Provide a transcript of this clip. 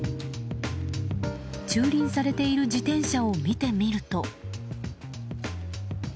駐輪されている自転車を見てみると。